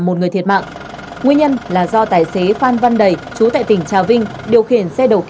một người thiệt mạng nguyên nhân là do tài xế phan văn đầy chú tại tỉnh trà vinh điều khiển xe đầu